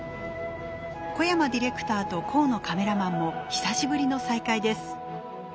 小山ディレクターと河野カメラマンも久しぶりの再会です。